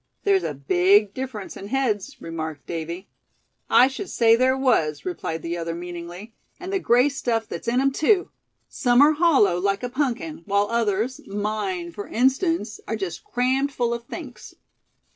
"There's a big difference in heads," remarked Davy. "I should say there was," replied the other, meaningly; "and the gray stuff that's in 'em, too. Some are hollow, like a punkin; while others, mine for instance, are just crammed full of thinks."